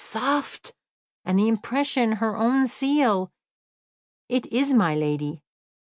Soft! And the impression her own seal! It is my lady.